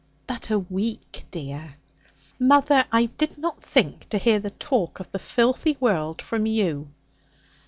'But a week, dear!' 'Mother, I did not think to hear the talk of the filthy world from you.'